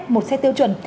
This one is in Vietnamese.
một xe tiêu chuẩn